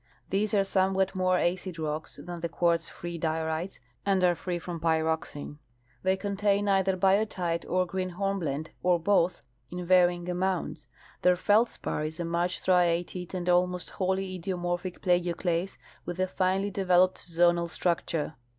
These are somewhat luore acid rocks than the quartz free diorites, and are free from pyroxene. They contain either biotite or green hornblende, or both, in varying amounts. Thoir feldspar is a much striated and almost wholly idiomorphic plagioclase, with a finely developed zonal structure.